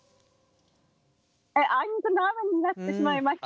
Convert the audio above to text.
あいにくの雨になってしまいまして。